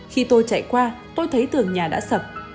khi tôi chạy qua tôi thấy tường nhà đã sập